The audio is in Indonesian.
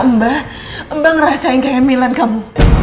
mbak mbak ngerasain kayak milan kamu